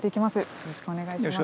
よろしくお願いします。